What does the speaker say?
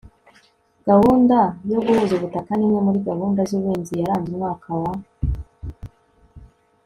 Gahunda yo guhuza ubutaka ni imwe muri gahunda z ubuhinzi yaranze umwaka wa